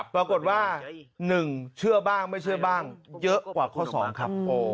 ปรากฏว่า๑เชื่อบ้างไม่เชื่อบ้างเยอะกว่าข้อ๒ครับ